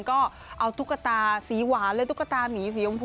ก็เอาตุ๊กตาสีหวานเลยตุ๊กตามีสีชมพู